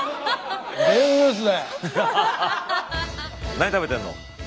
何食べてるの？